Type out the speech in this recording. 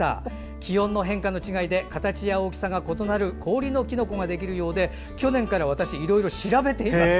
気温の変化の違いで形や大きさが異なる氷のきのこができるようで去年からいろいろ調べています。